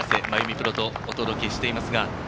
プロとお届けしています。